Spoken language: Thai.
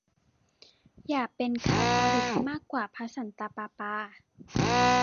อย่าเป็นคาทอลิกมากกว่าพระสันตะปาปา